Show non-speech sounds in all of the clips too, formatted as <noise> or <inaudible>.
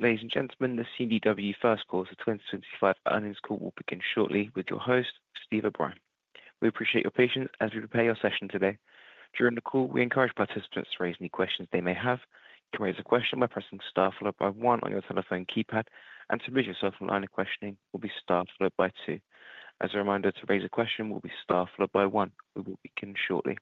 Ladies and gentlemen, the CDW First Course of 2025 Earnings Call will begin shortly with your host, Steve O'Brien. We appreciate your patience as we prepare your session today. During the call, we encourage participants to raise any questions they may have. You can raise a question by pressing star followed by one on your telephone keypad, and to mute yourself and line of questioning will be star followed by two. As a reminder, to raise a question will be star followed by one. We will begin shortly.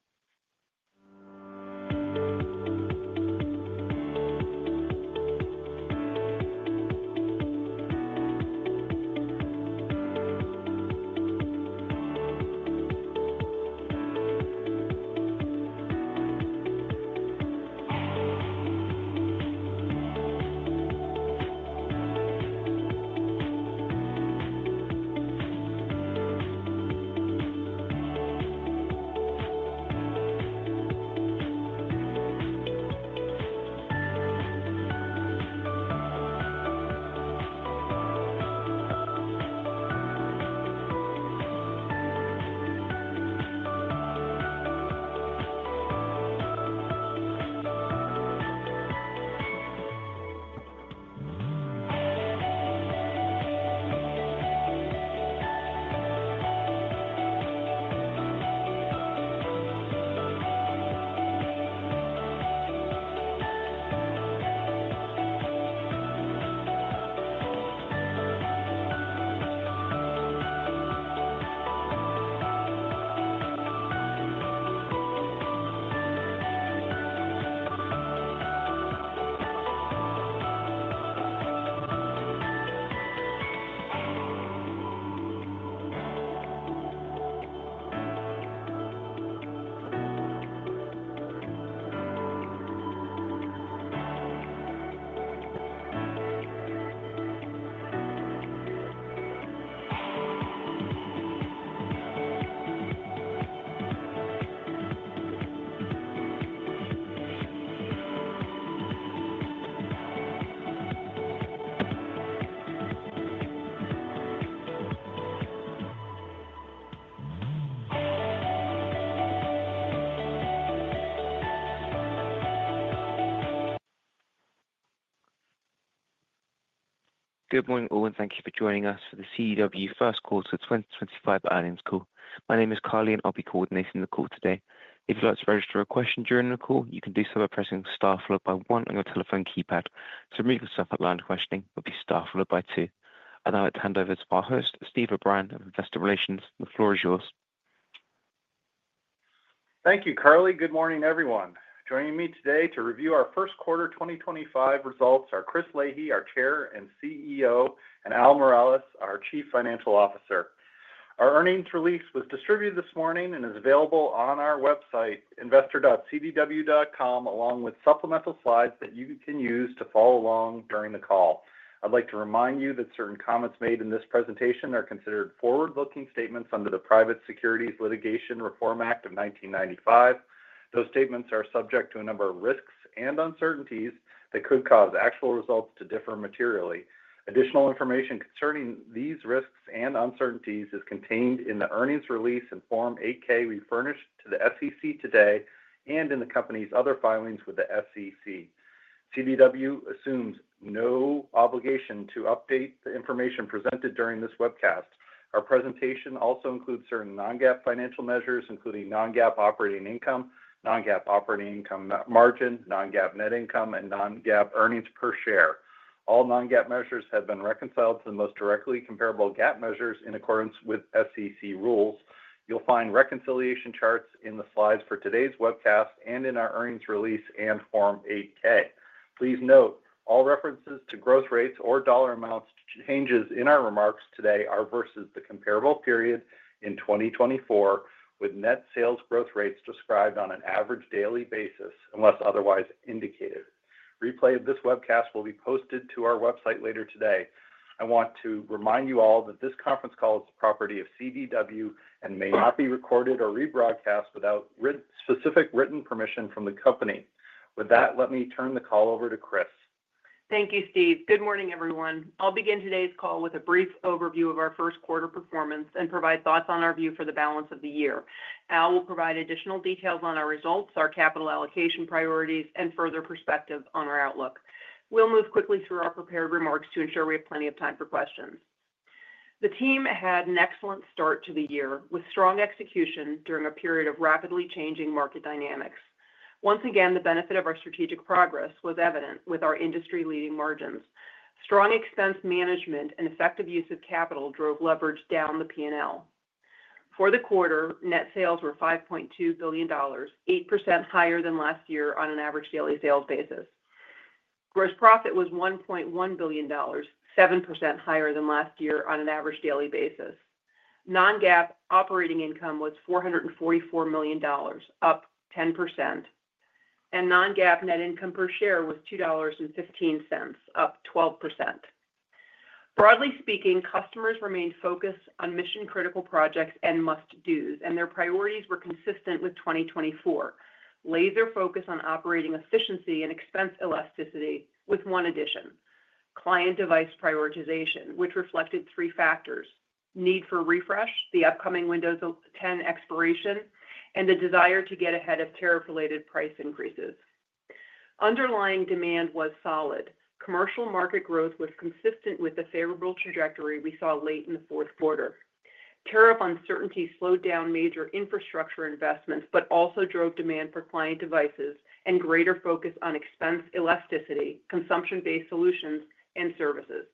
Good morning, all, and thank you for joining us for the CDW First Course of 2025 Earnings Call. My name is Carly, and I'll be coordinating the call today. If you'd like to register a question during the call, you can do so by pressing star followed by one on your telephone keypad. To mute yourself and line of questioning will be star followed by two. I'd now like to hand over to our host, Steve O'Brien of Investor Relations. The floor is yours. Thank you, Carly. Good morning, everyone. Joining me today to review our first quarter 2025 results are Chris Leahy, our Chair and CEO, and Al Miralles, our Chief Financial Officer. Our earnings release was distributed this morning and is available on our website, investor.cdw.com, along with supplemental slides that you can use to follow along during the call. I'd like to remind you that certain comments made in this presentation are considered forward-looking statements under the Private Securities Litigation Reform Act of 1995. Those statements are subject to a number of risks and uncertainties that could cause actual results to differ materially. Additional information concerning these risks and uncertainties is contained in the earnings release and Form 8-K we furnished to the SEC today and in the company's other filings with the SEC. CDW assumes no obligation to update the information presented during this webcast. Our presentation also includes certain non-GAAP financial measures, including non-GAAP operating income, non-GAAP operating income margin, non-GAAP net income, and non-GAAP earnings per share. All non-GAAP measures have been reconciled to the most directly comparable GAAP measures in accordance with SEC rules. You'll find reconciliation charts in the slides for today's webcast and in our earnings release and Form 8-K. Please note, all references to growth rates or dollar amount changes in our remarks today are versus the comparable period in 2024, with net sales growth rates described on an average daily basis, unless otherwise indicated. Replay of this webcast will be posted to our website later today. I want to remind you all that this conference call is the property of CDW and may not be recorded or rebroadcast without specific written permission from the company. With that, let me turn the call over to Chris. Thank you, Steve. Good morning, everyone. I'll begin today's call with a brief overview of our first quarter performance and provide thoughts on our view for the balance of the year. Al will provide additional details on our results, our capital allocation priorities, and further perspective on our outlook. We'll move quickly through our prepared remarks to ensure we have plenty of time for questions. The team had an excellent start to the year with strong execution during a period of rapidly changing market dynamics. Once again, the benefit of our strategic progress was evident with our industry-leading margins. Strong expense management and effective use of capital drove leverage down the P&L. For the quarter, net sales were $5.2 billion, 8% higher than last year on an average daily sales basis. Gross profit was $1.1 billion, 7% higher than last year on an average daily basis. Non-GAAP operating income was $444 million, up 10%, and non-GAAP net income per share was $2.15, up 12%. Broadly speaking, customers remained focused on mission-critical projects and must-dos, and their priorities were consistent with 2024. Laser focus on operating efficiency and expense elasticity with one addition: client device prioritization, which reflected three factors: need for refresh, the upcoming Windows 10 expiration, and the desire to get ahead of tariff-related price increases. Underlying demand was solid. Commercial market growth was consistent with the favorable trajectory we saw late in the fourth quarter. Tariff uncertainty slowed down major infrastructure investments, but also drove demand for client devices and greater focus on expense elasticity, consumption-based solutions, and services.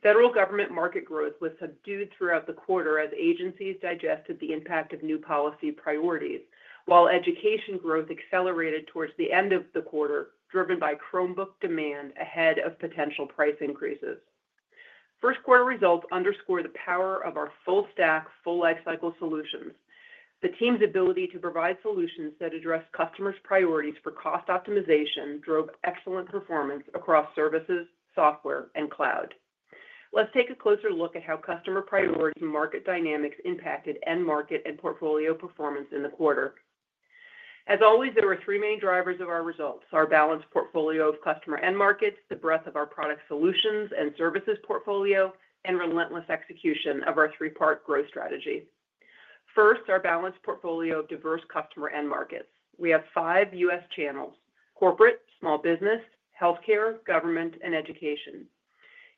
Federal government market growth was subdued throughout the quarter as agencies digested the impact of new policy priorities, while education growth accelerated towards the end of the quarter, driven by Chromebook demand ahead of potential price increases. First quarter results underscore the power of our full-stack, full-life-cycle solutions. The team's ability to provide solutions that address customers' priorities for cost optimization drove excellent performance across services, software, and cloud. Let's take a closer look at how customer priorities and market dynamics impacted end market and portfolio performance in the quarter. As always, there were three main drivers of our results: our balanced portfolio of customer end markets, the breadth of our product solutions and services portfolio, and relentless execution of our three-part growth strategy. First, our balanced portfolio of diverse customer end markets. We have five U.S. channels: corporate, small business, healthcare, government, and education.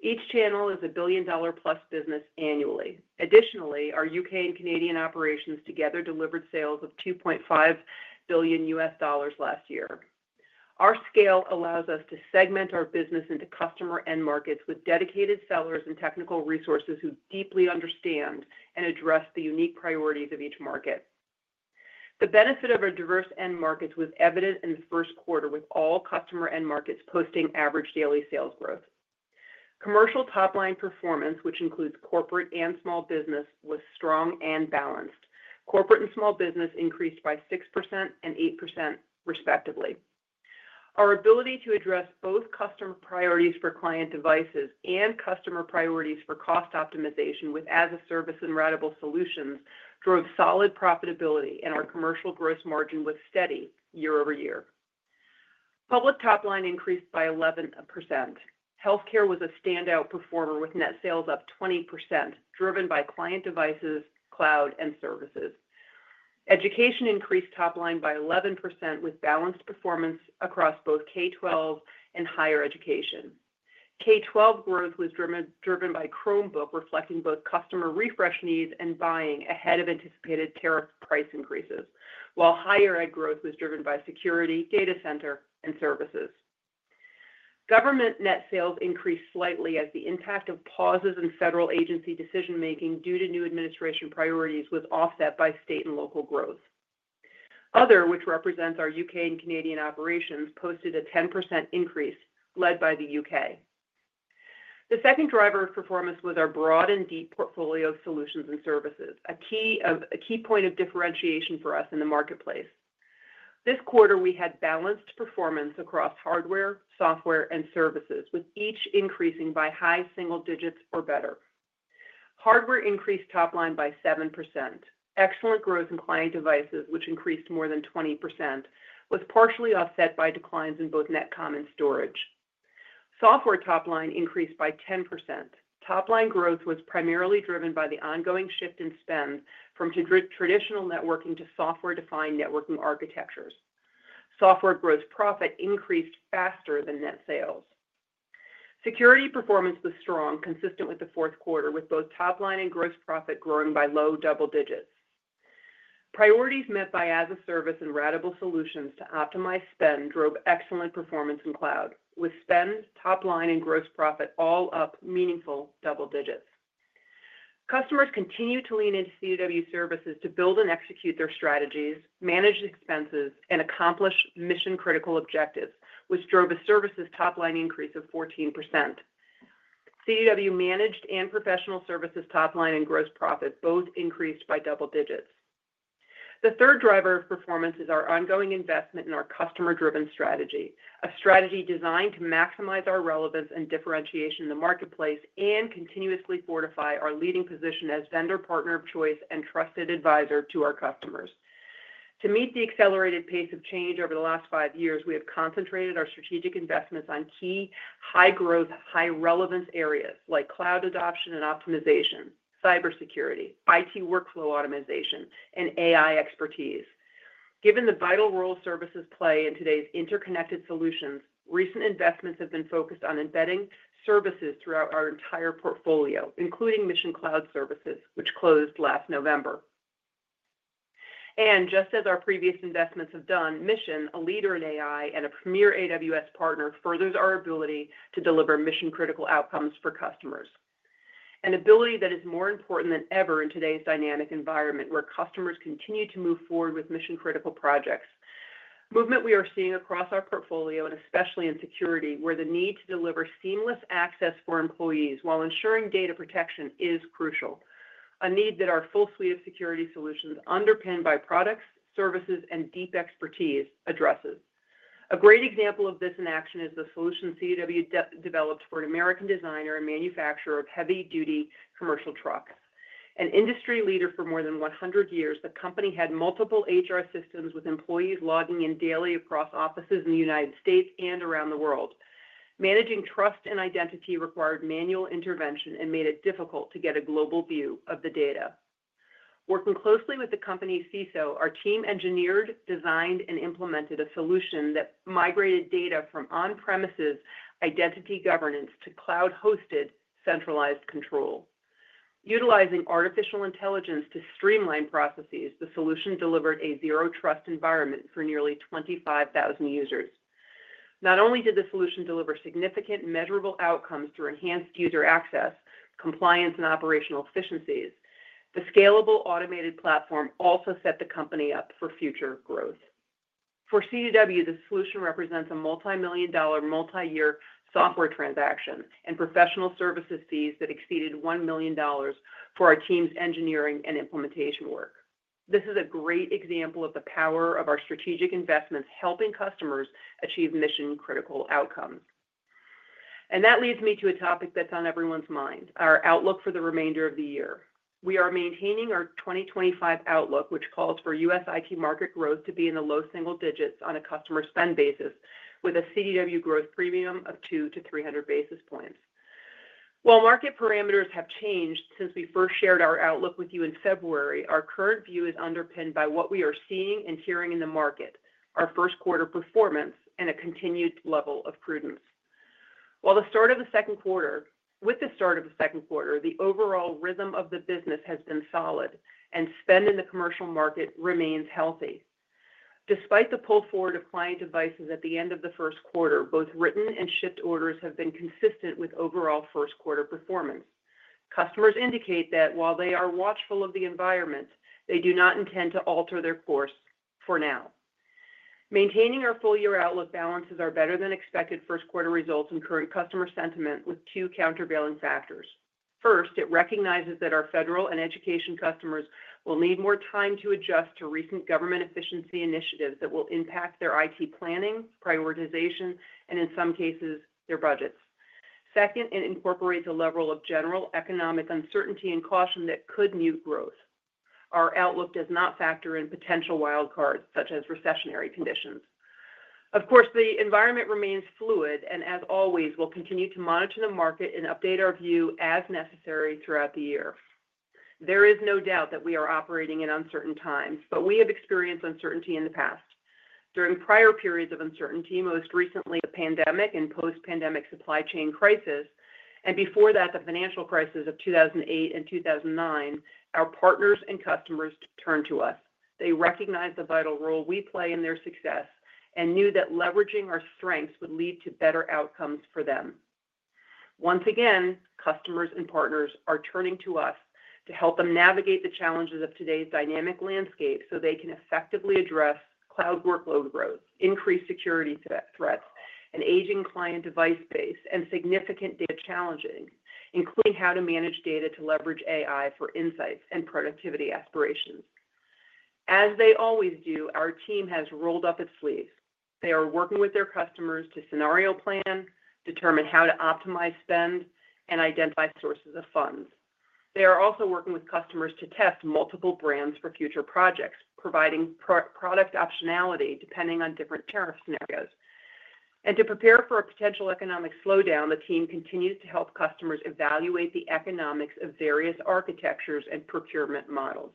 Each channel is a billion-dollar-plus business annually. Additionally, our U.K. and Canadian operations together delivered sales of $2.5 billion last year. Our scale allows us to segment our business into customer end markets with dedicated sellers and technical resources who deeply understand and address the unique priorities of each market. The benefit of our diverse end markets was evident in the first quarter, with all customer end markets posting average daily sales growth. Commercial top-line performance, which includes corporate and small business, was strong and balanced. Corporate and small business increased by 6% and 8%, respectively. Our ability to address both customer priorities for client devices and customer priorities for cost optimization with as-a-service and radical solutions drove solid profitability, and our commercial gross margin was steady year-over-year. Public top-line increased by 11%. Healthcare was a standout performer with net sales up 20%, driven by client devices, cloud, and services. Education increased top-line by 11% with balanced performance across both K-12 and higher education. K-12 growth was driven by Chromebook, reflecting both customer refresh needs and buying ahead of anticipated tariff price increases, while higher ed growth was driven by security, data center, and services. Government net sales increased slightly as the impact of pauses in federal agency decision-making due to new administration priorities was offset by state and local growth. Other, which represents our U.K. and Canadian operations, posted a 10% increase, led by the U.K. The second driver of performance was our broad and deep portfolio of solutions and services, a key point of differentiation for us in the marketplace. This quarter, we had balanced performance across hardware, software, and services, with each increasing by high-single-digits or better. Hardware increased top-line by 7%. Excellent growth in client devices, which increased more than 20%, was partially offset by declines in both net common storage. Software top-line increased by 10%. Top-line growth was primarily driven by the ongoing shift in spend from traditional networking to software-defined networking architectures. Software gross profit increased faster than net sales. Security performance was strong, consistent with the fourth quarter, with both top-line and gross profit growing by low double-digits. Priorities met by as-a-service and radical solutions to optimize spend drove excellent performance in cloud, with spend, top-line, and gross profit all up meaningful double-digits. Customers continued to lean into CDW services to build and execute their strategies, manage expenses, and accomplish mission-critical objectives, which drove a services top-line increase of 14%. CDW managed and professional services top-line and gross profit both increased by double-digits. The third driver of performance is our ongoing investment in our customer-driven strategy, a strategy designed to maximize our relevance and differentiation in the marketplace and continuously fortify our leading position as vendor partner of choice and trusted advisor to our customers. To meet the accelerated pace of change over the last five years, we have concentrated our strategic investments on key high-growth, high-relevance areas like cloud adoption and optimization, cybersecurity, IT workflow optimization, and AI expertise. Given the vital role services play in today's interconnected solutions, recent investments have been focused on embedding services throughout our entire portfolio, including Mission Cloud Services, which closed last November. Just as our previous investments have done, Mission, a leader in AI and a premier AWS partner, furthers our ability to deliver mission-critical outcomes for customers. An ability that is more important than ever in today's dynamic environment where customers continue to move forward with mission-critical projects. Movement we are seeing across our portfolio, and especially in security, where the need to deliver seamless access for employees while ensuring data protection is crucial. A need that our full suite of security solutions underpinned by products, services, and deep expertise addresses. A great example of this in action is the solution CDW developed for an American designer and manufacturer of heavy-duty commercial trucks. An industry leader for more than 100 years, the company had multiple HR systems with employees logging in daily across offices in the United States and around the world. Managing trust and identity required manual intervention and made it difficult to get a global view of the data. Working closely with the company's CISO, our team engineered, designed, and implemented a solution that migrated data from on-premises identity governance to cloud-hosted centralized control. Utilizing artificial intelligence to streamline processes, the solution delivered a zero-trust environment for nearly 25,000 users. Not only did the solution deliver significant measurable outcomes through enhanced user access, compliance, and operational efficiencies, the scalable automated platform also set the company up for future growth. For CDW, the solution represents a multi-million dollar, multi-year software transaction and professional services fees that exceeded $1 million for our team's engineering and implementation work. This is a great example of the power of our strategic investments helping customers achieve mission-critical outcomes. That leads me to a topic that's on everyone's mind: our outlook for the remainder of the year. We are maintaining our 2025 outlook, which calls for U.S. IT market growth to be in the low-single-digits on a customer spend basis, with a CDW growth premium of 2 to 300 basis points. While market parameters have changed since we first shared our outlook with you in February, our current view is underpinned by what we are seeing and hearing in the market, our first quarter performance, and a continued level of prudence. With the start of the second quarter, the overall rhythm of the business has been solid, and spend in the commercial market remains healthy. Despite the pull forward of client devices at the end of the first quarter, both written and shipped orders have been consistent with overall first quarter performance. Customers indicate that while they are watchful of the environment, they do not intend to alter their course for now. Maintaining our full year outlook balances our better-than-expected first quarter results and current customer sentiment with two countervailing factors. First, it recognizes that our federal and education customers will need more time to adjust to recent government efficiency initiatives that will impact their IT planning, prioritization, and in some cases, their budgets. Second, it incorporates a level of general economic uncertainty and caution that could mute growth. Our outlook does not factor in potential wildcards such as recessionary conditions. Of course, the environment remains fluid, and as always, we'll continue to monitor the market and update our view as necessary throughout the year. There is no doubt that we are operating in uncertain times, but we have experienced uncertainty in the past. During prior periods of uncertainty, most recently the pandemic and post-pandemic supply chain crisis, and before that, the financial crisis of 2008 and 2009, our partners and customers turned to us. They recognized the vital role we play in their success and knew that leveraging our strengths would lead to better outcomes for them. Once again, customers and partners are turning to us to help them navigate the challenges of today's dynamic landscape so they can effectively address cloud workload growth, increased security threats, an aging client device base, and significant data challenges, including how to manage data to leverage AI for insights and productivity aspirations. As they always do, our team has rolled up its sleeves. They are working with their customers to scenario plan, determine how to optimize spend, and identify sources of funds. They are also working with customers to test multiple brands for future projects, providing product optionality depending on different tariff scenarios. To prepare for a potential economic slowdown, the team continues to help customers evaluate the economics of various architectures and procurement models.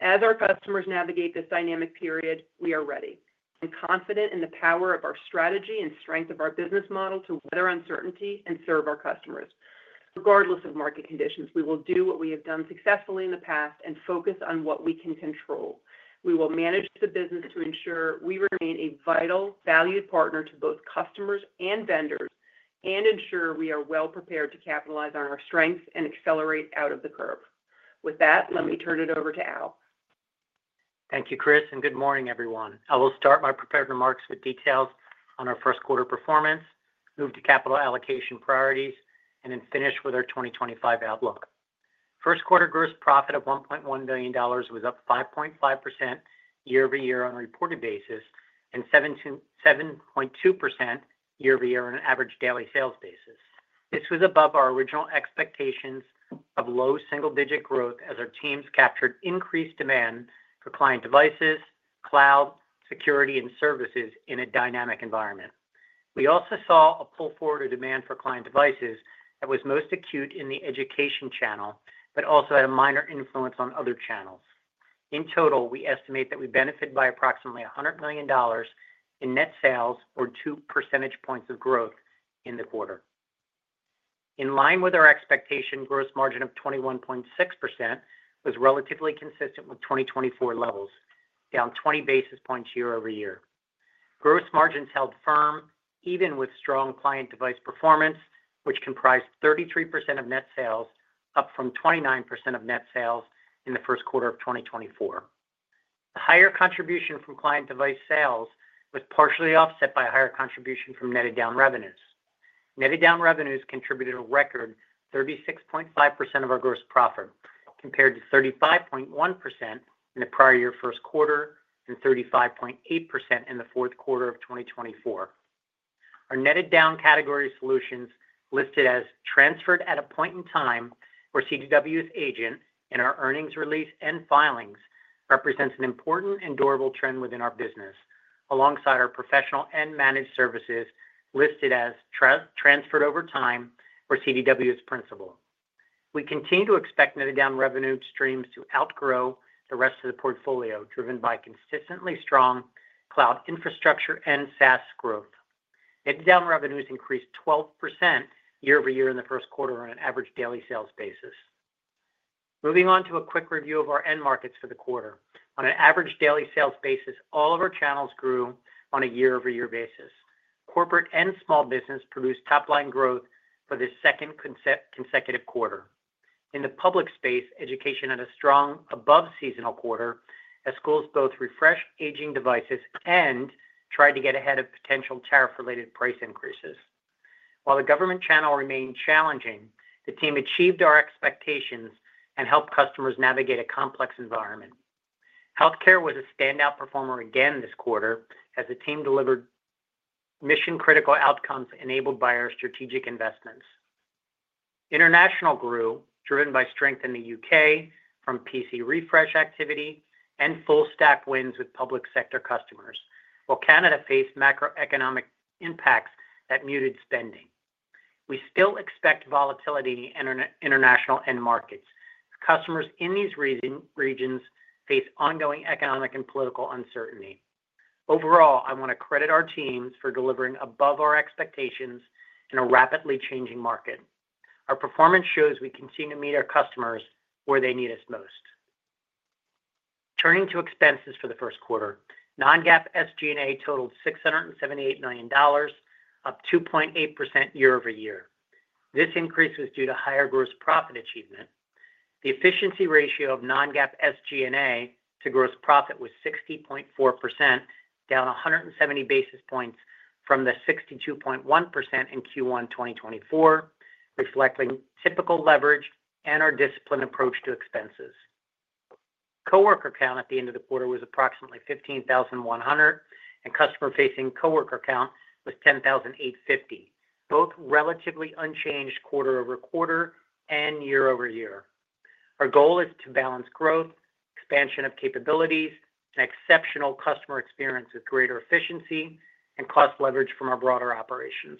As our customers navigate this dynamic period, we are ready and confident in the power of our strategy and strength of our business model to weather uncertainty and serve our customers. Regardless of market conditions, we will do what we have done successfully in the past and focus on what we can control. We will manage the business to ensure we remain a vital, valued partner to both customers and vendors and ensure we are well prepared to capitalize on our strengths and accelerate out of the curve. With that, let me turn it over to Al. Thank you, Chris, and good morning, everyone. I will start my prepared remarks with details on our first quarter performance, move to capital allocation priorities, and then finish with our 2025 outlook. First quarter gross profit of $1.1 billion was up 5.5% year-over-year on a reported basis and 7.2% year-over-year on an average daily sales basis. This was above our original expectations of low single-digit growth as our teams captured increased demand for client devices, cloud, security, and services in a dynamic environment. We also saw a pull forward of demand for client devices that was most acute in the education channel, but also had a minor influence on other channels. In total, we estimate that we benefited by approximately $100 million in net sales or 2 percentage points of growth in the quarter. In line with our expectation, gross margin of 21.6% was relatively consistent with 2024 levels, down 20 basis points year-over-year. Gross margins held firm even with strong client device performance, which comprised 33% of net sales, up from 29% of net sales in the first quarter of 2024. The higher contribution from client device sales was partially offset by higher contribution from netted down revenues. Netted down revenues contributed a record 36.5% of our gross profit, compared to 35.1% in the prior year first quarter and 35.8% in the fourth quarter of 2024. Our netted down category solutions, listed as transferred at a point in time for CDW's agent in our earnings release and filings, represent an important and durable trend within our business, alongside our professional and managed services listed as transferred over time for CDW's principal. We continue to expect netted down revenue streams to outgrow the rest of the portfolio, driven by consistently strong cloud infrastructure and SaaS growth. Netted down revenues increased 12% year-over-year in the first quarter on an average daily sales basis. Moving on to a quick review of our end markets for the quarter. On an average daily sales basis, all of our channels grew on a year-over-year basis. Corporate and small business produced top-line growth for the second consecutive quarter. In the public space, education had a strong above-seasonal quarter as schools both refreshed aging devices and tried to get ahead of potential tariff-related price increases. While the government channel remained challenging, the team achieved our expectations and helped customers navigate a complex environment. Healthcare was a standout performer again this quarter as the team delivered mission-critical outcomes enabled by our strategic investments. International grew, driven by strength in the U.K. from PC refresh activity and full-stack wins with public sector customers, while Canada faced macroeconomic impacts that muted spending. We still expect volatility in international end markets. Customers in these regions face ongoing economic and political uncertainty. Overall, I want to credit our teams for delivering above our expectations in a rapidly changing market. Our performance shows we continue to meet our customers where they need us most. Turning to expenses for the first quarter, non-GAAP SG&A totaled $678 million, up 2.8% year-over-year. This increase was due to higher gross profit achievement. The efficiency ratio of non-GAAP SG&A to gross profit was 60.4%, down 170 basis points from the 62.1% in Q1 2024, reflecting typical leverage and our disciplined approach to expenses. Coworker count at the end of the quarter was approximately 15,100, and customer-facing coworker count was 10,850, both relatively unchanged quarter-over-quarter and year-over-year. Our goal is to balance growth, expansion of capabilities, and exceptional customer experience with greater efficiency and cost leverage from our broader operations.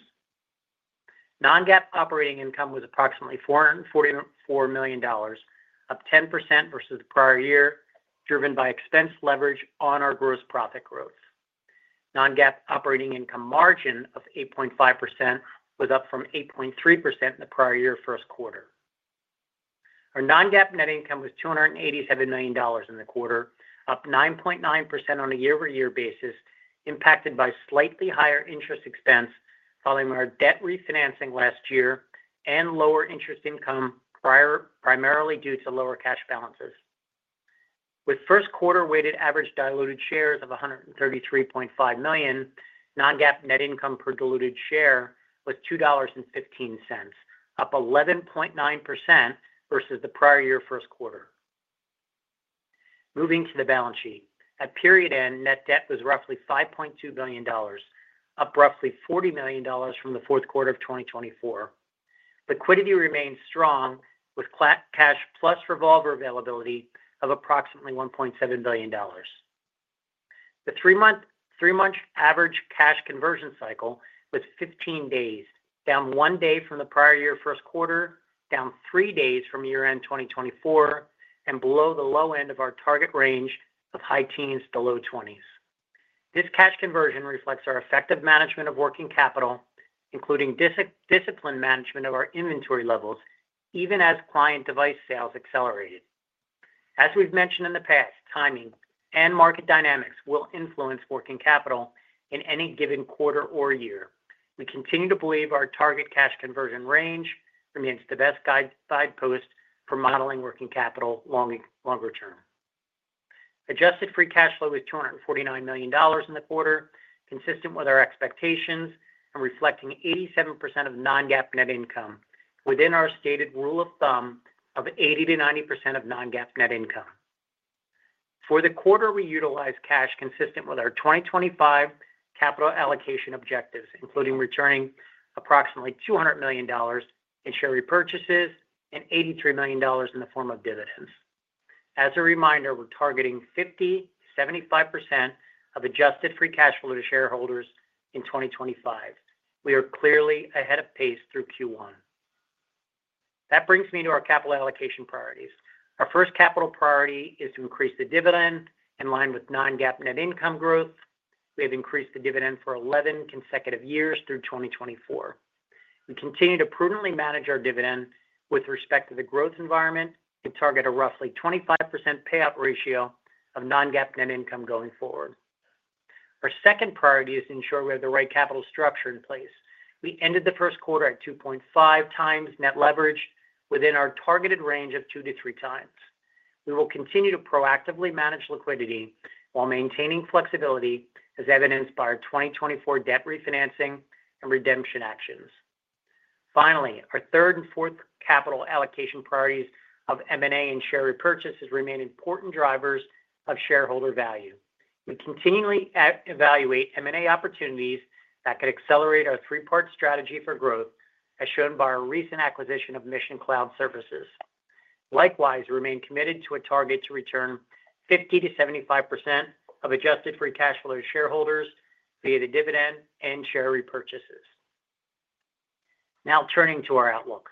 Non-GAAP operating income was approximately $444 million, up 10% versus the prior year, driven by expense leverage on our gross profit growth. Non-GAAP operating income margin of 8.5% was up from 8.3% in the prior year first quarter. Our non-GAAP net income was $287 million in the quarter, up 9.9% on a year-over-year basis, impacted by slightly higher interest expense following our debt refinancing last year and lower interest income primarily due to lower cash balances. With first quarter weighted average diluted shares of $133.5 million, non-GAAP net income per diluted share was $2.15, up 11.9% versus the prior year first quarter. Moving to the balance sheet, at period end, net debt was roughly $5.2 billion, up roughly $40 million from the fourth quarter of 2024. Liquidity remained strong with cash plus revolver availability of approximately $1.7 billion. The three-month average cash conversion cycle was 15 days, down one day from the prior year first quarter, down three days from year-end 2024, and below the low end of our target range of high teens to low twenties. This cash conversion reflects our effective management of working capital, including disciplined management of our inventory levels, even as client device sales accelerated. As we've mentioned in the past, timing and market dynamics will influence working capital in any given quarter or year. We continue to believe our target cash conversion range remains the best guidepost for modeling working capital longer term. Adjusted free cash flow was $249 million in the quarter, consistent with our expectations and reflecting 87% of non-GAAP net income, within our stated rule of thumb of 80-90% of non-GAAP net income. For the quarter, we utilized cash consistent with our 2025 capital allocation objectives, including returning approximately $200 million in share repurchases and $83 million in the form of dividends. As a reminder, we're targeting 50-75% of adjusted free cash flow to shareholders in 2025. We are clearly ahead of pace through Q1. That brings me to our capital allocation priorities. Our first capital priority is to increase the dividend in line with non-GAAP net income growth. We have increased the dividend for 11 consecutive years through 2024. We continue to prudently manage our dividend with respect to the growth environment and target a roughly 25% payout ratio of non-GAAP net income going forward. Our second priority is to ensure we have the right capital structure in place. We ended the first quarter at 2.5 times net leverage within our targeted range of two to three times. We will continue to proactively manage liquidity while maintaining flexibility, as evidenced by our 2024 debt refinancing and redemption actions. Finally, our third and fourth capital allocation priorities of M&A and share repurchases remain important drivers of shareholder value. We continually evaluate M&A opportunities that could accelerate our three-part strategy for growth, as shown by our recent acquisition of Mission Cloud Services. Likewise, we remain committed to a target to return 50-75% of adjusted free cash flow to shareholders via the dividend and share repurchases. Now, turning to our outlook.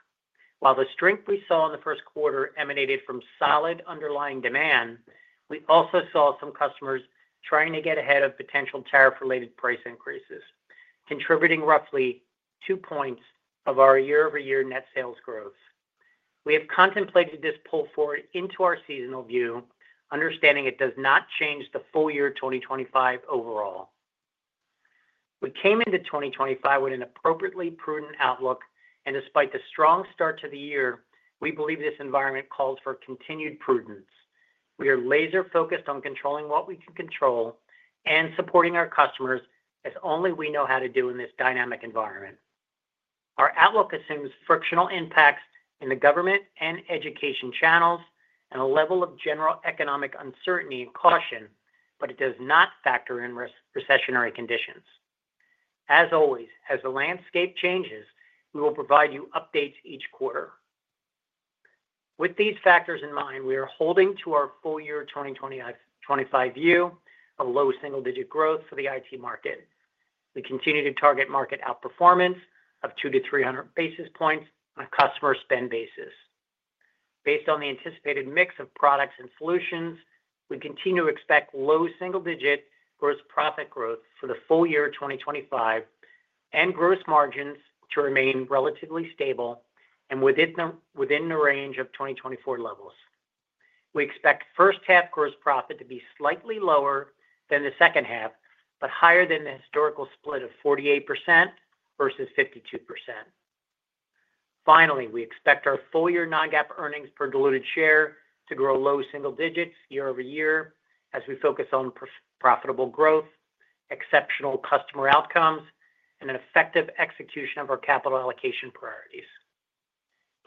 While the strength we saw in the first quarter emanated from solid underlying demand, we also saw some customers trying to get ahead of potential tariff-related price increases, contributing roughly two points of our year-over-year net sales growth. We have contemplated this pull forward into our seasonal view, understanding it does not change the full year 2025 overall. We came into 2025 with an appropriately prudent outlook, and despite the strong start to the year, we believe this environment calls for continued prudence. We are laser-focused on controlling what we can control and supporting our customers as only we know how to do in this dynamic environment. Our outlook assumes frictional impacts in the government and education channels and a level of general economic uncertainty and caution, but it does not factor in recessionary conditions. As always, as the landscape changes, we will provide you updates each quarter. With these factors in mind, we are holding to our full year 2025 view of low single-digit growth for the IT market. We continue to target market outperformance of 2-300 basis points on a customer spend basis. Based on the anticipated mix of products and solutions, we continue to expect low single-digit gross profit growth for the full year 2025 and gross margins to remain relatively stable and within the range of 2024 levels. We expect first half gross profit to be slightly lower than the second half, but higher than the historical split of 48% versus 52%. Finally, we expect our full year non-GAAP earnings per diluted share to grow low single-digits year-over-year as we focus on profitable growth, exceptional customer outcomes, and an effective execution of our capital allocation priorities.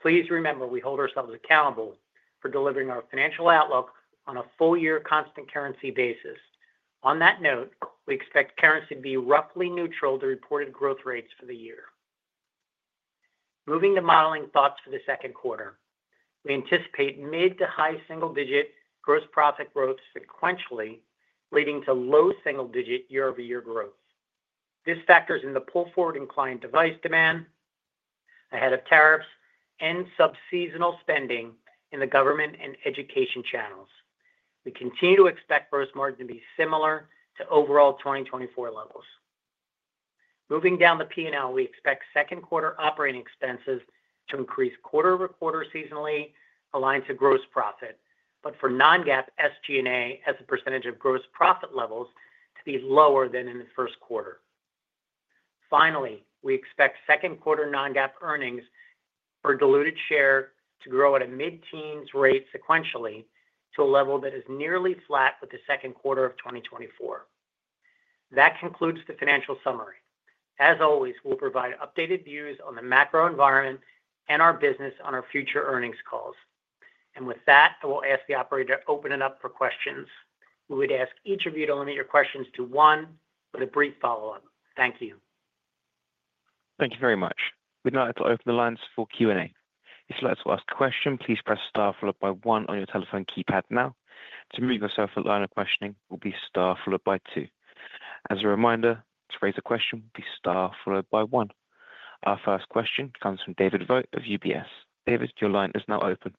Please remember, we hold ourselves accountable for delivering our financial outlook on a full year constant currency basis. On that note, we expect currency to be roughly neutral to reported growth rates for the year. Moving to modeling thoughts for the second quarter, we anticipate mid to high single-digit gross profit growth sequentially, leading to low single-digit year-over-year growth. This factors in the pull forward in client device demand, ahead of tariffs, and subseasonal spending in the government and education channels. We continue to expect gross margin to be similar to overall 2024 levels. Moving down the P&L, we expect second quarter operating expenses to increase quarter-over-quarter seasonally, aligned to gross profit, but for non-GAAP SG&A as a percentage of gross profit levels to be lower than in the first quarter. Finally, we expect second quarter non-GAAP earnings per diluted share to grow at a mid-teens rate sequentially to a level that is nearly flat with the second quarter of 2024. That concludes the financial summary. As always, we'll provide updated views on the macro environment and our business on our future earnings calls. With that, I will ask the operator to open it up for questions. We would ask each of you to limit your questions to one with a brief follow-up. Thank you. Thank you very much. We'd now like to open the lines for Q&A. If you'd like to ask a question, please press star followed by one on your telephone keypad now. To move yourself to the line of questioning, it will be star followed by two. As a reminder, to raise a question, it will be star followed by one. Our first question comes from David Wright of UBS. David, your line is now open.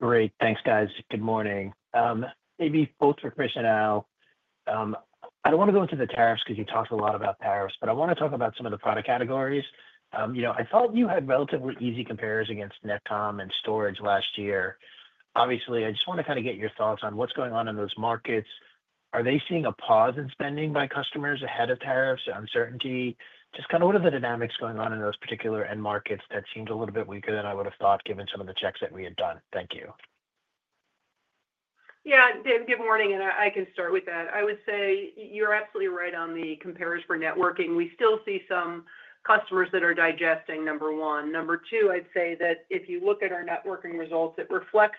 Great. Thanks, guys. Good morning. Maybe both for permission now. I don't want to go into the tariffs because you talked a lot about tariffs, but I want to talk about some of the product categories. You know, I thought you had relatively easy comparisons against Netcom and Storage last year. Obviously, I just want to kind of get your thoughts on what's going on in those markets. Are they seeing a pause in spending by customers ahead of tariffs or uncertainty? Just kind of what are the dynamics going on in those particular end markets that seemed a little bit weaker than I would have thought given some of the checks that we had done? Thank you. Yeah, good morning, and I can start with that. I would say you're absolutely right on the comparisons for networking. We still see some customers that are digesting, number one. Number two, I'd say that if you look at our networking results, it reflects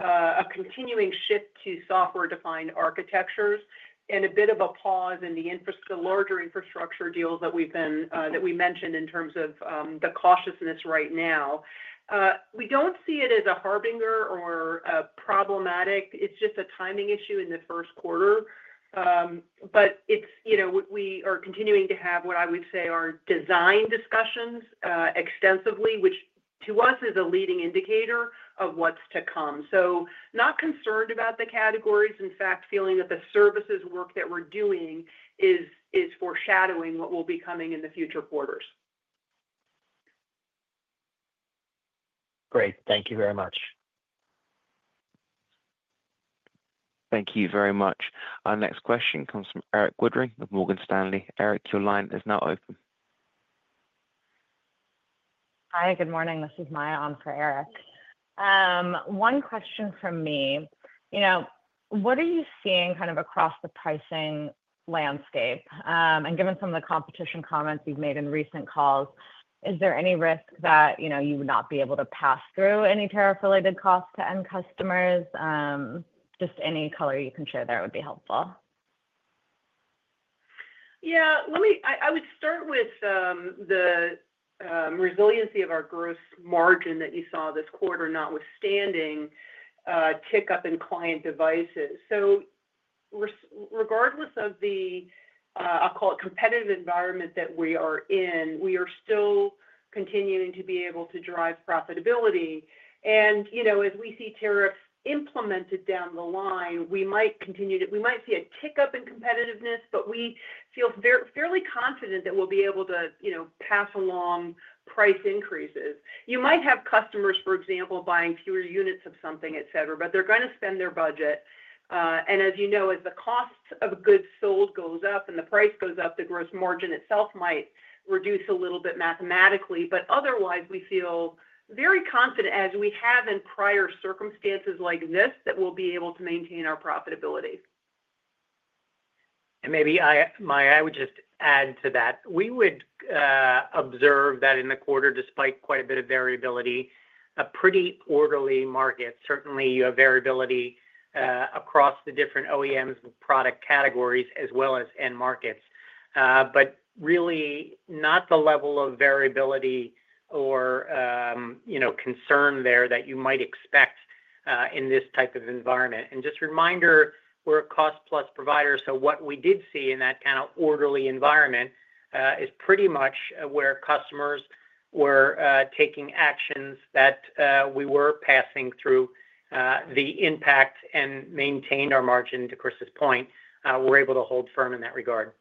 a continuing shift to software-defined architectures and a bit of a pause in the larger infrastructure deals that we mentioned in terms of the cautiousness right now. We don't see it as a harbinger or a problematic. It's just a timing issue in the first quarter. It's, you know, we are continuing to have what I would say are design discussions extensively, which to us is a leading indicator of what's to come. Not concerned about the categories, in fact, feeling that the services work that we're doing is foreshadowing what will be coming in the future quarters. Great. Thank you very much. Thank you very much. Our next question comes from Erik Woodring of Morgan Stanley. Erik, your line is now open. Hi, good morning. This is Maya on for Erik. One question from me. You know, what are you seeing kind of across the pricing landscape? And given some of the competition comments you've made in recent calls, is there any risk that, you know, you would not be able to pass through any tariff-related costs to end customers? Just any color you can share there would be helpful. Yeah, let me, I would start with the resiliency of our gross margin that you saw this quarter notwithstanding tick up in client devices. So regardless of the, I'll call it competitive environment that we are in, we are still continuing to be able to drive profitability. You know, as we see tariffs implemented down the line, we might continue to, we might see a tick up in competitiveness, but we feel fairly confident that we'll be able to, you know, pass along price increases. You might have customers, for example, buying fewer units of something, et cetera, but they're going to spend their budget. As you know, as the cost of goods sold goes up and the price goes up, the gross margin itself might reduce a little bit mathematically. Otherwise, we feel very confident, as we have in prior circumstances like this, that we'll be able to maintain our profitability. Maybe I, Maya, I would just add to that. We would observe that in the quarter, despite quite a bit of variability, a pretty orderly market, certainly a variability across the different OEMs and product categories as well as end markets. Really not the level of variability or, you know, concern there that you might expect in this type of environment. Just a reminder, we're a cost-plus provider. What we did see in that kind of orderly environment is pretty much where customers were taking actions that we were passing through the impact and maintained our margin. To Chris's point, we're able to hold firm in that regard.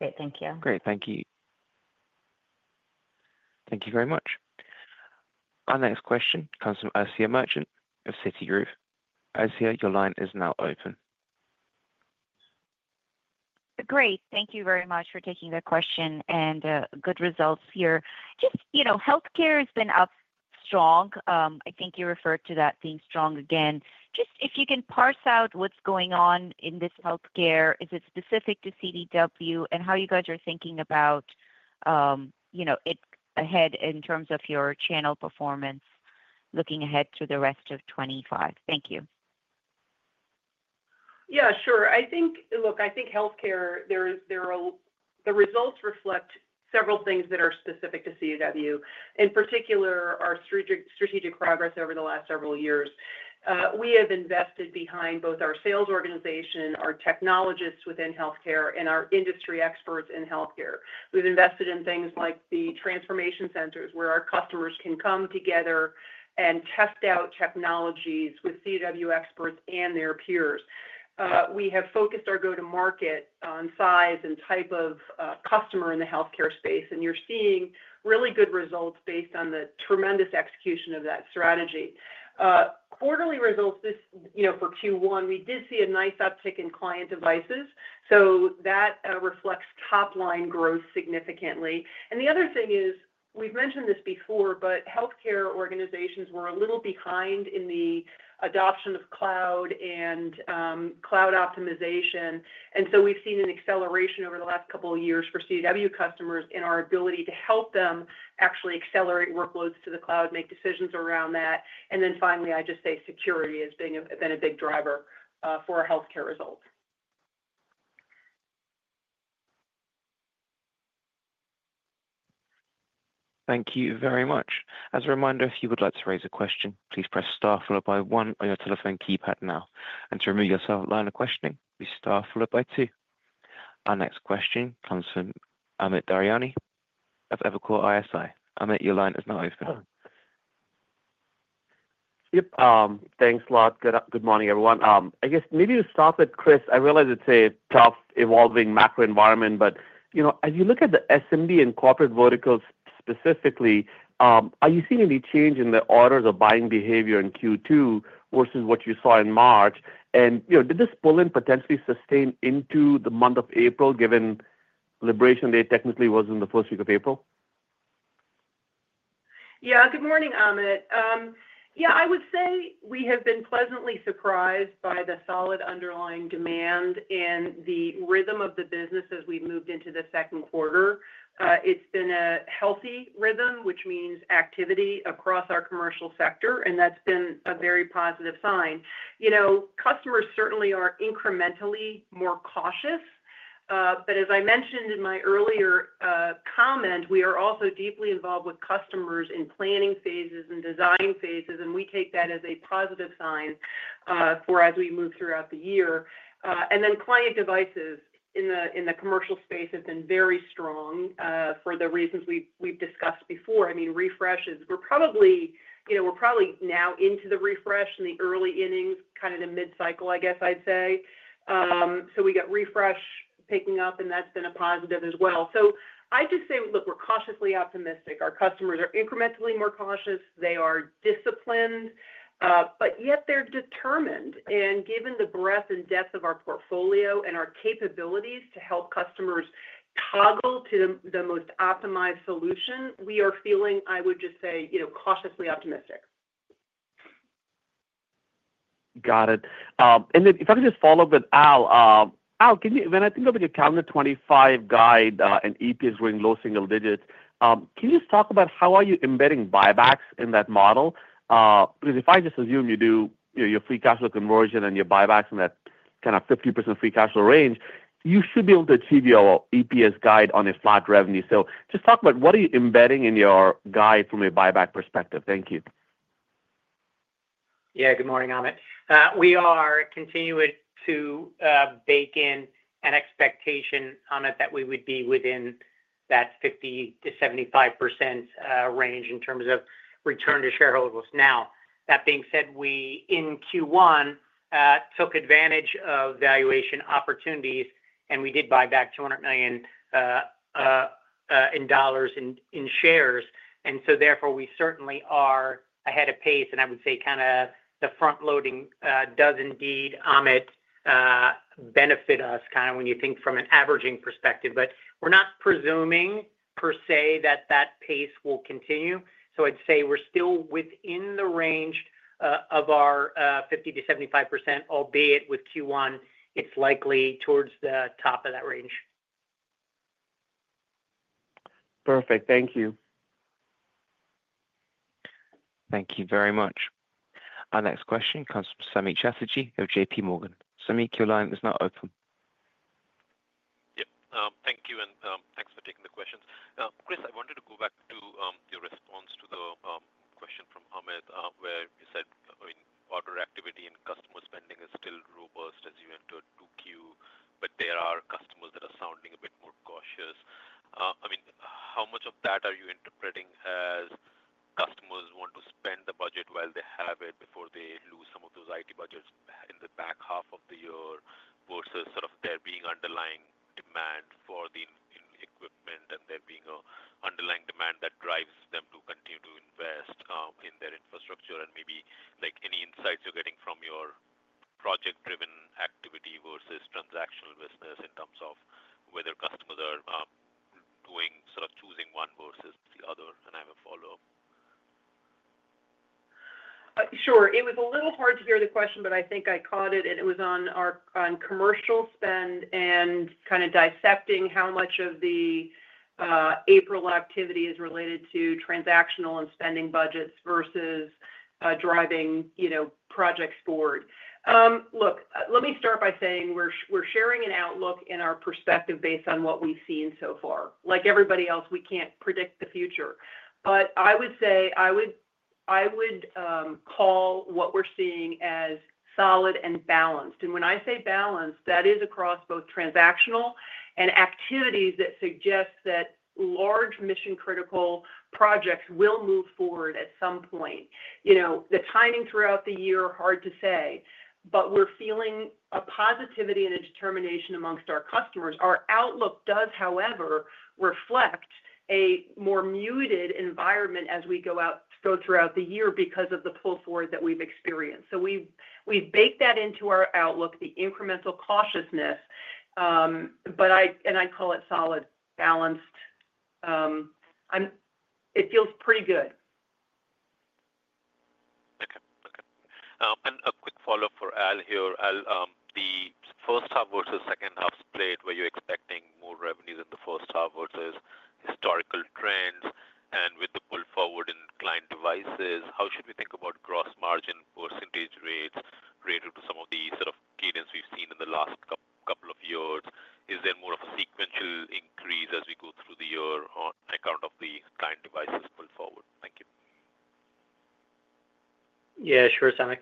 Great. Thank you. Great. Thank you. Thank you very much. Our next question comes from Asiya Merchant of Citigroup. Asiya, your line is now open. Great. Thank you very much for taking the question and good results here. Just, you know, healthcare has been up strong. I think you referred to that being strong again. Just if you can parse out what's going on in this healthcare, is it specific to CDW and how you guys are thinking about, you know, it ahead in terms of your channel performance looking ahead to the rest of 2025? Thank you. Yeah, sure. I think, look, I think healthcare, there are the results reflect several things that are specific to CDW. In particular, our strategic progress over the last several years. We have invested behind both our sales organization, our technologists within healthcare, and our industry experts in healthcare. We've invested in things like the transformation centers where our customers can come together and test out technologies with CDW experts and their peers. We have focused our go-to-market on size and type of customer in the healthcare space, and you're seeing really good results based on the tremendous execution of that strategy. Quarterly results, this, you know, for Q1, we did see a nice uptick in client devices. That reflects top-line growth significantly. The other thing is, we've mentioned this before, but healthcare organizations were a little behind in the adoption of cloud and cloud optimization. We have seen an acceleration over the last couple of years for CDW customers in our ability to help them actually accelerate workloads to the cloud, make decisions around that. Finally, I just say security has been a big driver for our healthcare results. Thank you very much. As a reminder, if you would like to raise a question, please press star followed by one on your telephone keypad now. To remove yourself from the line of questioning, please press star followed by two. Our next question comes from Amit Daryanani of Evercore ISI. Amit, your line is now open. Yep. Thanks a lot. Good morning, everyone. I guess maybe to start with, Chris, I realize it's a tough evolving macro environment, but, you know, as you look at the SMB and corporate verticals specifically, are you seeing any change in the orders of buying behavior in Q2 versus what you saw in March? You know, did this pull in potentially sustain into the month of April given Liberation Day technically was in the first week of April? Yeah, good morning, Amit. Yeah, I would say we have been pleasantly surprised by the solid underlying demand and the rhythm of the business as we've moved into the second quarter. It's been a healthy rhythm, which means activity across our commercial sector, and that's been a very positive sign. You know, customers certainly are incrementally more cautious. As I mentioned in my earlier comment, we are also deeply involved with customers in planning phases and design phases, and we take that as a positive sign for as we move throughout the year. Client devices in the commercial space have been very strong for the reasons we've discussed before. I mean, refreshes, we're probably, you know, we're probably now into the refresh and the early innings, kind of the mid-cycle, I guess I'd say. We got refresh picking up, and that's been a positive as well. I just say, look, we're cautiously optimistic. Our customers are incrementally more cautious. They are disciplined, but yet they're determined. Given the breadth and depth of our portfolio and our capabilities to help customers toggle to the most optimized solution, we are feeling, I would just say, you know, cautiously optimistic. Got it. If I could just follow up with Al. Al, can you, when I think of your calendar 2025 guide and EPS growing low single-digits, can you talk about how are you embedding buybacks in that model? Because if I just assume you do your free cash flow conversion and your buybacks in that kind of 50% free cash flow range, you should be able to achieve your EPS guide on a flat revenue. Just talk about what are you embedding in your guide from a buyback perspective. Thank you. Yeah, good morning, Amit. We are continuing to bake in an expectation, Amit, that we would be within that 50-75% range in terms of return to shareholders now. That being said, we in Q1 took advantage of valuation opportunities, and we did buy back $200 million in shares. We certainly are ahead of pace. I would say kind of the front-loading does indeed, Amit, benefit us kind of when you think from an averaging perspective. We're not presuming per se that that pace will continue. I'd say we're still within the range of our 50-75%, albeit with Q1, it's likely towards the top of that range. Perfect. Thank you. Thank you very much. Our next question comes from Samik Chatterjee of JPMorgan. Sami, your line is now open. Yep. Thank you. And thanks for taking the questions. Chris, I wanted to go back to your response to the question from Amit where you said, I mean, order activity and customer spending is still robust as you entered 2Q, but there are customers that are sounding a bit more cautious. I mean, how much of that are you interpreting as customers want to spend the budget while they have it before they lose some of those IT budgets in the back half of the year versus sort of there being underlying demand for the equipment and there being an underlying demand that drives them to continue to invest in their infrastructure? Maybe like any insights you're getting from your project-driven activity versus transactional business in terms of whether customers are doing sort of choosing one versus the other? I have a follow-up. Sure. It was a little hard to hear the question, but I think I caught it. It was on our commercial spend and kind of dissecting how much of the April activity is related to transactional and spending budgets versus driving, you know, projects forward. Look, let me start by saying we're sharing an outlook and our perspective based on what we've seen so far. Like everybody else, we can't predict the future. I would say I would call what we're seeing as solid and balanced. When I say balanced, that is across both transactional and activities that suggest that large mission-critical projects will move forward at some point. You know, the timing throughout the year, hard to say, but we're feeling a positivity and a determination amongst our customers. Our outlook does, however, reflect a more muted environment as we go out throughout the year because of the pull forward that we've experienced. We've baked that into our outlook, the incremental cautiousness, but I call it solid, balanced. It feels pretty good. Okay. Okay. A quick follow-up for Al here. Al, the first half versus second half split, were you expecting more revenues in the first half versus historical trends? With the pull forward in client devices, how should we think about gross margin percentage rates related to some of the sort of cadence we've seen in the last couple of years? Is there more of a sequential increase as we go through the year on account of the client devices pull forward? Thank you. Yeah, sure, Samik.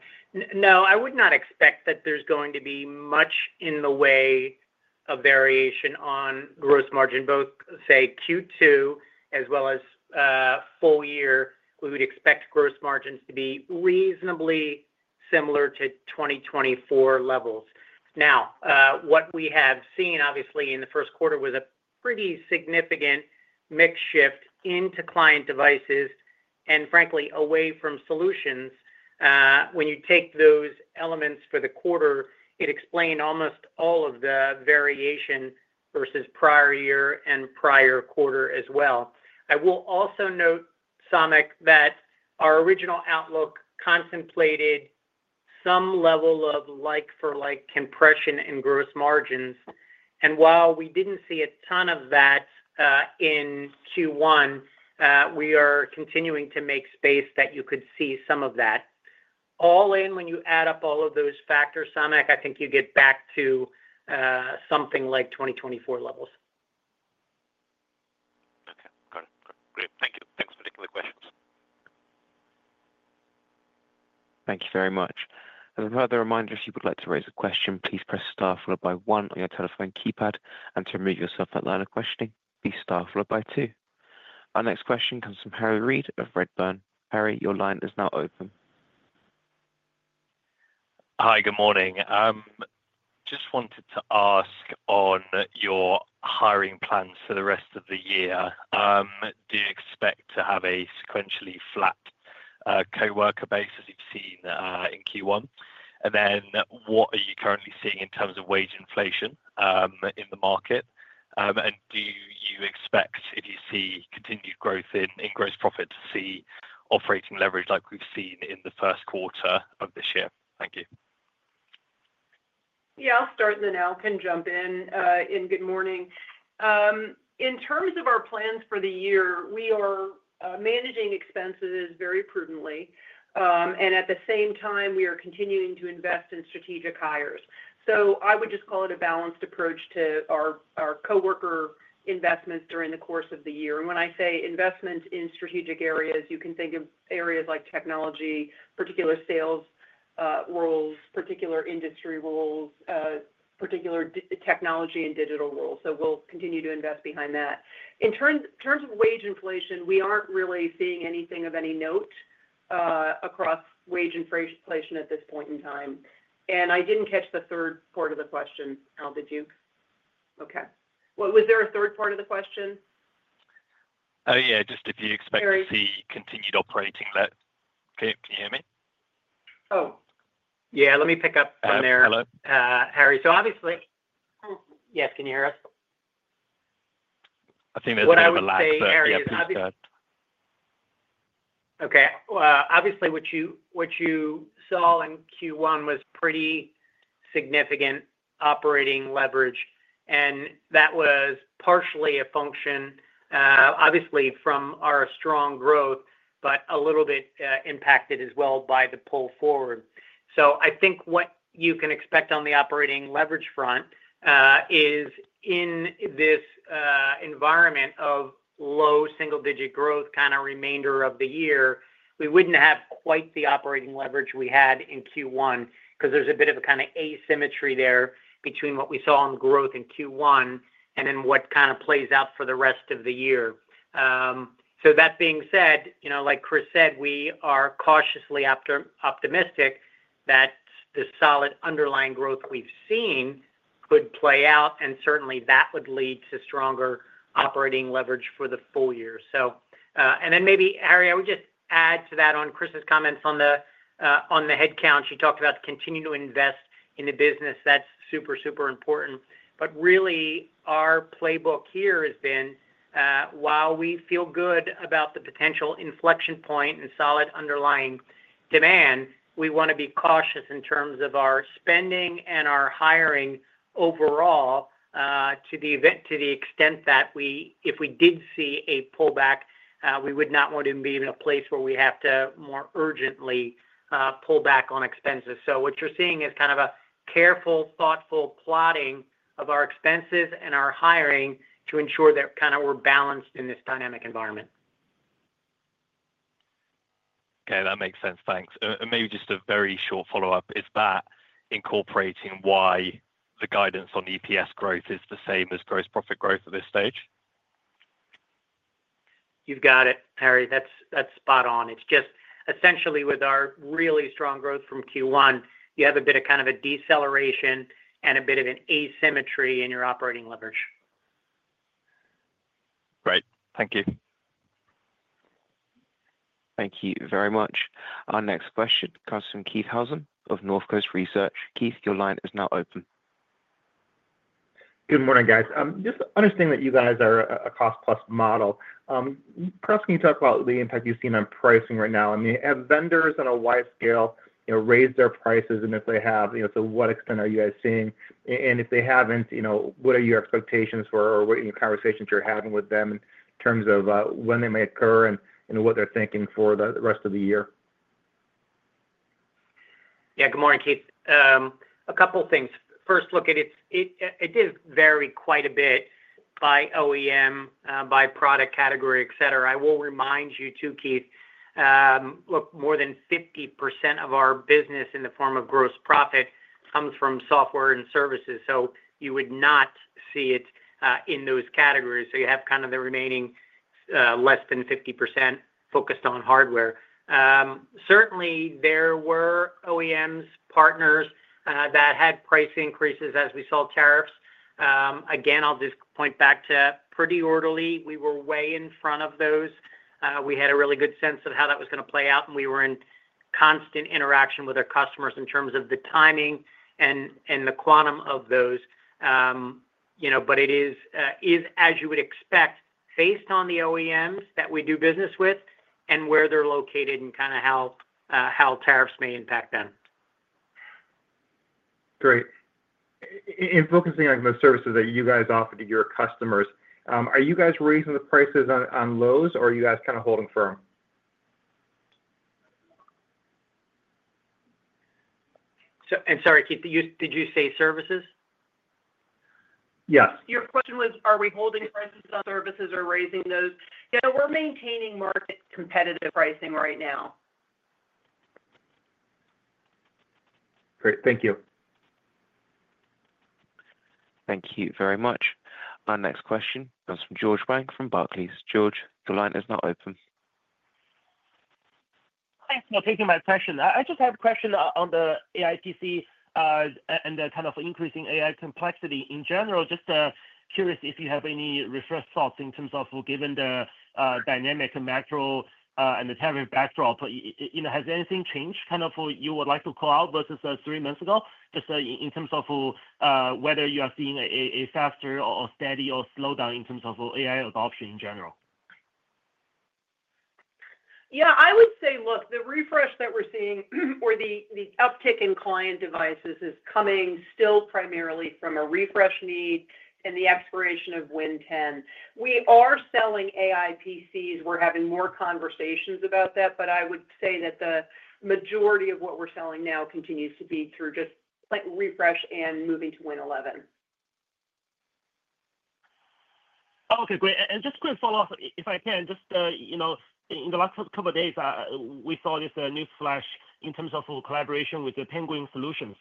No, I would not expect that there's going to be much in the way of variation on gross margin, both say Q2 as well as full year. We would expect gross margins to be reasonably similar to 2024 levels. Now, what we have seen, obviously, in the first quarter was a pretty significant mix shift into client devices and frankly away from solutions. When you take those elements for the quarter, it explained almost all of the variation versus prior year and prior quarter as well. I will also note, Samik, that our original outlook contemplated some level of like-for-like compression in gross margins. And while we didn't see a ton of that in Q1, we are continuing to make space that you could see some of that. All in, when you add up all of those factors, Samik, I think you get back to something like 2024 levels. Okay. Got it. Great. Thank you. Thanks for taking the questions. Thank you very much. Another reminder, if you would like to raise a question, please press star followed by one on your telephone keypad and to remove yourself from the line of questioning, please press star followed by two. Our next question comes from Harry Read of Redburn. Harry, your line is now open. Hi, good morning. Just wanted to ask on your hiring plans for the rest of the year. Do you expect to have a sequentially flat coworker base as you've seen in Q1? And then what are you currently seeing in terms of wage inflation in the market? And do you expect, if you see continued growth in gross profits, to see operating leverage like we've seen in the first quarter of this year? Thank you. Yeah, I'll start and then Al can jump in. Good morning. In terms of our plans for the year, we are managing expenses very prudently. At the same time, we are continuing to invest in strategic hires. I would just call it a balanced approach to our coworker investments during the course of the year. When I say investment in strategic areas, you can think of areas like technology, particular sales roles, particular industry roles, particular technology and digital roles. We'll continue to invest behind that. In terms of wage inflation, we aren't really seeing anything of any note across wage inflation at this point in time. I didn't catch the third part of the question, Al, did you? Okay. Was there a third part of the question? Yeah, just if you expect to see continued operating leverage. Can you hear me? Oh. Yeah. Let me pick up on there. Hello. Harry. Obviously, yes, can you hear us? I think there's a bit of a lag there. <crosstalk> Obviously, what you saw in Q1 was pretty significant operating leverage. That was partially a function, obviously, from our strong growth, but a little bit impacted as well by the pull forward. I think what you can expect on the operating leverage front is in this environment of low single-digit growth kind of remainder of the year, we wouldn't have quite the operating leverage we had in Q1 because there's a bit of a kind of asymmetry there between what we saw in growth in Q1 and then what kind of plays out for the rest of the year. That being said, you know, like Chris said, we are cautiously optimistic that the solid underlying growth we've seen could play out. Certainly, that would lead to stronger operating leverage for the full year. Maybe, Harry, I would just add to that on Chris's comments on the headcount. She talked about continuing to invest in the business. That's super, super important. Really, our playbook here has been, while we feel good about the potential inflection point and solid underlying demand, we want to be cautious in terms of our spending and our hiring overall to the extent that if we did see a pullback, we would not want to be in a place where we have to more urgently pull back on expenses. What you're seeing is kind of a careful, thoughtful plotting of our expenses and our hiring to ensure that kind of we're balanced in this dynamic environment. Okay. That makes sense. Thanks. Maybe just a very short follow-up. Is that incorporating why the guidance on EPS growth is the same as gross profit growth at this stage? You've got it, Harry. That's spot on. It's just essentially with our really strong growth from Q1, you have a bit of kind of a deceleration and a bit of an asymmetry in your operating leverage. Great. Thank you. Thank you very much. Our next question comes from Keith Housum of Northcoast Research. Keith, your line is now open. Good morning, guys. Just understanding that you guys are a cost-plus model. Perhaps can you talk about the impact you've seen on pricing right now? I mean, have vendors on a wide scale, you know, raised their prices? And if they have, you know, to what extent are you guys seeing? And if they haven't, you know, what are your expectations for or what conversations you're having with them in terms of when they may occur and what they're thinking for the rest of the year? Yeah. Good morning, Keith. A couple of things. First, look, it did vary quite a bit by OEM, by product category, etc. I will remind you too, Keith, look, more than 50% of our business in the form of gross profit comes from software and services. So you would not see it in those categories. You have kind of the remaining less than 50% focused on hardware. Certainly, there were OEMs, partners that had price increases as we saw tariffs. I will just point back to pretty orderly. We were way in front of those. We had a really good sense of how that was going to play out. We were in constant interaction with our customers in terms of the timing and the quantum of those. You know, but it is, as you would expect, based on the OEMs that we do business with and where they're located and kind of how tariffs may impact them. Great. In focusing on the services that you guys offer to your customers, are you guys raising the prices on those or are you guys kind of holding firm? Sorry, Keith, did you say services? Yes. Your question was, are we holding prices on services or raising those? Yeah, we're maintaining market competitive pricing right now. Great. Thank you. Thank you very much. Our next question comes from George Wang from Barclays. George, your line is now open. Thanks for taking my question. I just have a question on the AIPC and the kind of increasing AI complexity in general. Just curious if you have any refreshed thoughts in terms of given the dynamic macro and the tariff backdrop. You know, has anything changed kind of you would like to call out versus three months ago? Just in terms of whether you are seeing a faster or steady or slowdown in terms of AI adoption in general. Yeah, I would say, look, the refresh that we're seeing or the uptick in client devices is coming still primarily from a refresh need and the expiration of Win 10. We are selling AI PCs. We're having more conversations about that. I would say that the majority of what we're selling now continues to be through just refresh and moving to Win 11. Okay. Great. Just quick follow-up, if I can, just, you know, in the last couple of days, we saw this new flash in terms of collaboration with Penguin Solutions,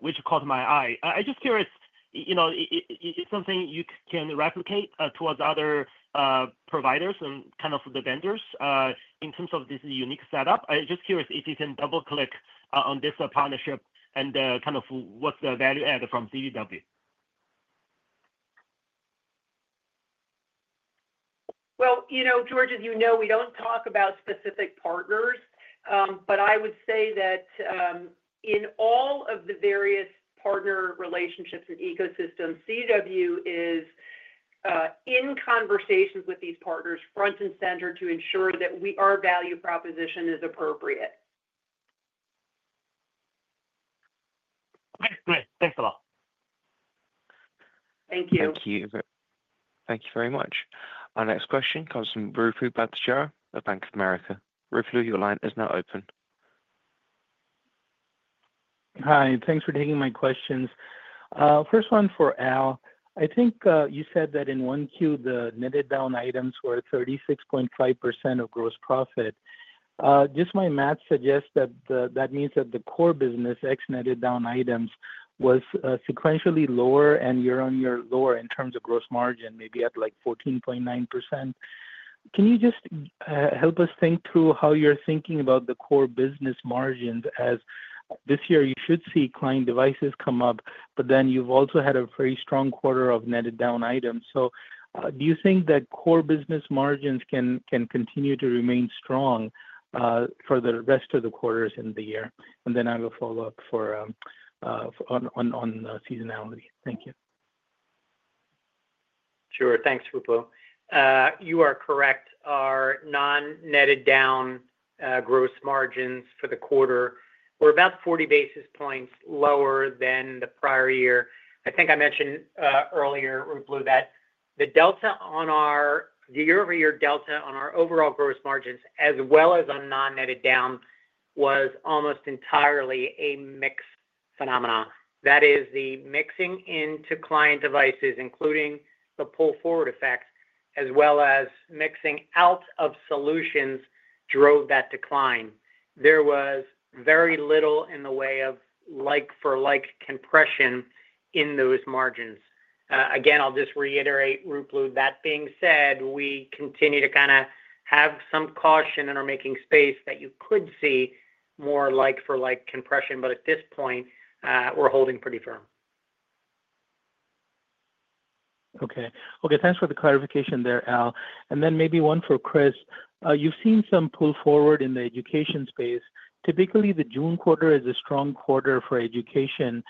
which caught my eye. I'm just curious, you know, is it something you can replicate towards other providers and kind of the vendors in terms of this unique setup? I'm just curious if you can double-click on this partnership and kind of what's the value add from CDW. You know, George, as you know, we don't talk about specific partners. I would say that in all of the various partner relationships and ecosystems, CDW is in conversations with these partners front and center to ensure that our value proposition is appropriate. Okay. Great. Thanks a lot. Thank you. Thank you. Thank you very much. Our next question comes from Ruplu Bhattacharya of Bank of America. Ruplu, your line is now open. Hi. Thanks for taking my questions. First one for Al. I think you said that in 1Q, the netted down items were 36.5% of gross profit. Just my math suggests that that means that the core business, ex-netted down items, was sequentially lower and year-on-year lower in terms of gross margin, maybe at like 14.9%. Can you just help us think through how you're thinking about the core business margins as this year you should see client devices come up, but then you've also had a very strong quarter of netted down items. Do you think that core business margins can continue to remain strong for the rest of the quarters in the year? I will follow up on seasonality. Thank you. Sure. Thanks, Ruplu. You are correct. Our non-netted down gross margins for the quarter were about 40 basis points lower than the prior year. I think I mentioned earlier, Ruplu, that the delta on our year-over-year delta on our overall gross margins, as well as on non-netted down, was almost entirely a mixed phenomenon. That is, the mixing into client devices, including the pull forward effect, as well as mixing out of solutions, drove that decline. There was very little in the way of like-for-like compression in those margins. Again, I'll just reiterate, Ruplu. That being said, we continue to kind of have some caution and are making space that you could see more like-for-like compression. At this point, we're holding pretty firm. Okay. Okay. Thanks for the clarification there, Al. Then maybe one for Chris. You've seen some pull forward in the education space. Typically, the June quarter is a strong quarter for education.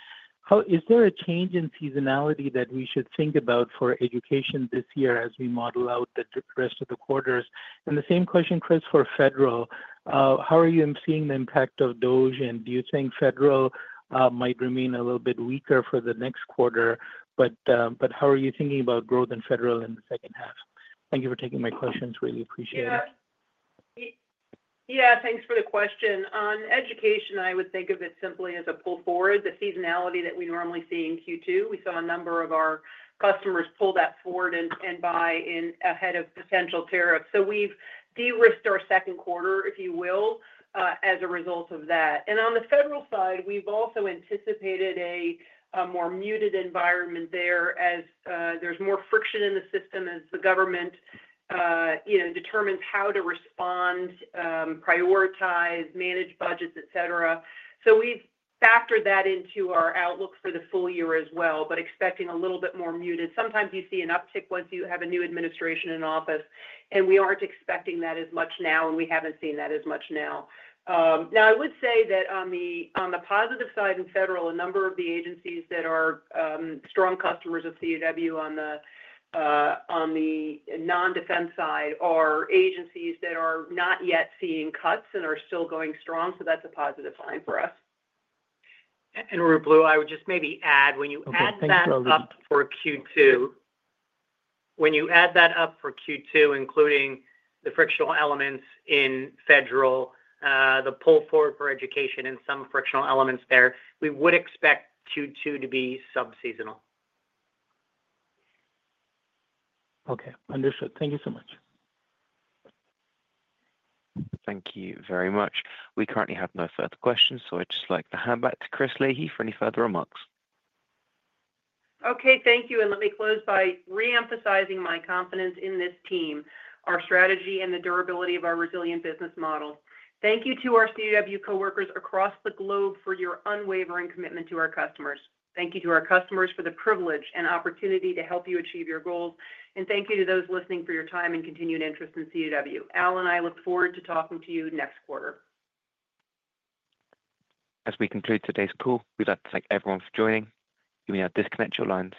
Is there a change in seasonality that we should think about for education this year as we model out the rest of the quarters? The same question, Chris, for federal. How are you seeing the impact of DOGE? Do you think federal might remain a little bit weaker for the next quarter? How are you thinking about growth in federal in the second half? Thank you for taking my questions. Really appreciate it. Yeah. Thanks for the question. On education, I would think of it simply as a pull forward. The seasonality that we normally see in Q2, we saw a number of our customers pull that forward and buy in ahead of potential tariffs. We have de-risked our second quarter, if you will, as a result of that. On the federal side, we've also anticipated a more muted environment there as there's more friction in the system as the government determines how to respond, prioritize, manage budgets, etc. We've factored that into our outlook for the full year as well, expecting a little bit more muted. Sometimes you see an uptick once you have a new administration in office. We aren't expecting that as much now, and we haven't seen that as much now. I would say that on the positive side in federal, a number of the agencies that are strong customers of CDW on the non-defense side are agencies that are not yet seeing cuts and are still going strong. That's a positive sign for us. Ruplu, I would just maybe add, when you add that up for Q2, when you add that up for Q2, including the frictional elements in federal, the pull forward for education, and some frictional elements there, we would expect Q2 to be sub-seasonal. Okay. Understood. Thank you so much. Thank you very much. We currently have no further questions. I would just like to hand back to Chris Leahy for any further remarks. Okay. Thank you. Let me close by reemphasizing my confidence in this team, our strategy, and the durability of our resilient business model. Thank you to our CDW coworkers across the globe for your unwavering commitment to our customers. Thank you to our customers for the privilege and opportunity to help you achieve your goals. Thank you to those listening for your time and continued interest in CDW. Al and I look forward to talking to you next quarter. As we conclude today's call, we'd like to thank everyone for joining. You may now disconnect your lines.